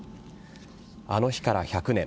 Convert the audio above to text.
あの日から１００年。